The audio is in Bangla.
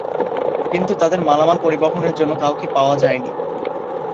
কিন্তু তাদের মালামাল পরিবহণের জন্য কাউকে পাওয়া যায় নি।